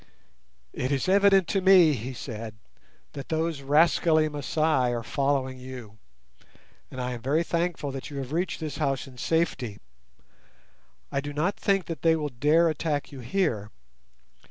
"It is evident to me," he said, "that those rascally Masai are following you, and I am very thankful that you have reached this house in safety. I do not think that they will dare to attack you here.